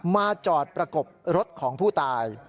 มาจอดประกบรถของผู้ตาย